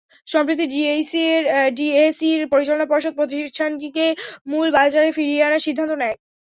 সম্প্রতি ডিএসইর পরিচালনা পর্ষদ প্রতিষ্ঠানটিকে মূল বাজারে ফিরিয়ে আনার সিদ্ধান্ত নেয়।